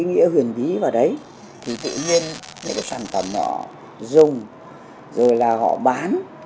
nghĩa huyền bí vào đấy thì tự nhiên những cái sản phẩm họ dùng rồi là họ bán